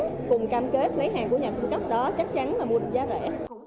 thì cùng cam kết lấy hàng của nhà cung cấp đó chắc chắn là mua tình giá rẻ